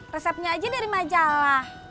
resepnya aja dari majalah